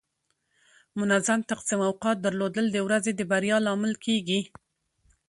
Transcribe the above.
منظم تقسیم اوقات درلودل د ورځې د بریا لامل کیږي.